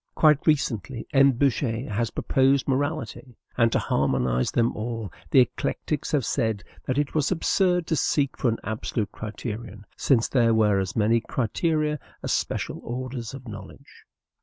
Quite recently, M. Buchez has proposed morality; and, to harmonize them all, the eclectics have said that it was absurd to seek for an absolute criterion, since there were as many criteria as special orders of knowledge.